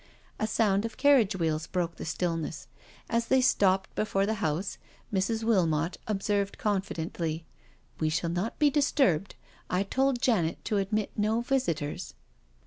A sound of carriage wheels broke the stillness. As they stopped before the house, Mrs. Wilmot observed confidentlyi *' We shall not be disturbed— I told Janet to admit no visitors."